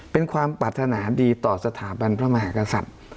เป็นความปรารถนาดีต่อสถาบันพระมหากษัตริย์